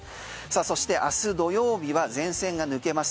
そして明日土曜日は前線が抜けます。